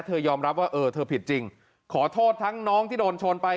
ยอมรับว่าเออเธอผิดจริงขอโทษทั้งน้องที่โดนชนไป